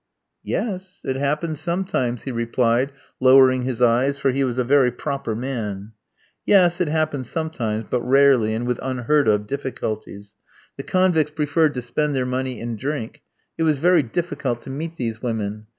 "Yes; it happens sometimes," he replied, lowering his eyes, for he was a very proper man. Yes; it happened sometimes, but rarely, and with unheard of difficulties. The convicts preferred to spend their money in drink. It was very difficult to meet these women.